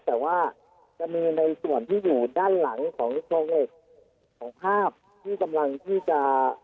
แต่ว่าจะมีในส่วนที่อยู่ด้านหลังของโครงเหล็กของภาพที่กำลังที่จะ